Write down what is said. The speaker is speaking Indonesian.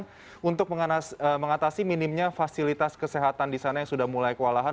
apa sih yang dilakukan untuk mengatasi minimnya fasilitas kesehatan di sana yang sudah mulai kewalahan